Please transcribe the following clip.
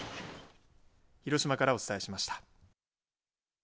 広島からお伝えしました。